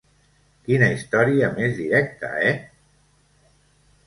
Quina història més directa, eh?